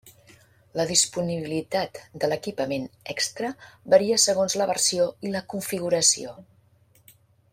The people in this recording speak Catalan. La disponibilitat de l'equipament extra varia segons la versió i la configuració.